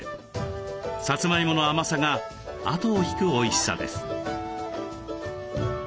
さつまいもの甘さがあとを引くおいしさです。